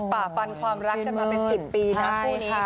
ฝ่าฟันความรักกันมาเป็น๑๐ปีนะคู่นี้